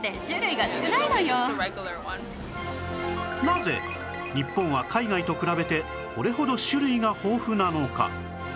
なぜ日本は海外と比べてこれほど種類が豊富なのか？